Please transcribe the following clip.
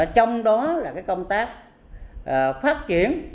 trong đó là cái công tác phát triển